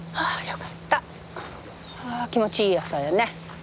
あ気持ちいい朝やね。